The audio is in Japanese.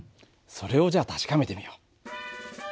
それをじゃあ確かめてみよう。